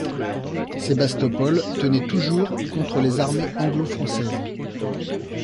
Sébastopol tenait toujours contre les armées anglo-françaises.